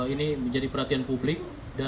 ini menjadi pelatihan publik